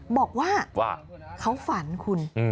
บอกว่าเขาฝันคุณ